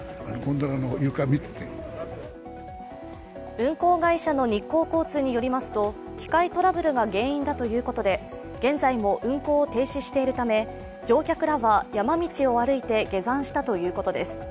運行会社の日光交通によりますと、機械トラブルが原因だということで現在も運行を停止しているため乗客らは山道を歩いて下山したということです。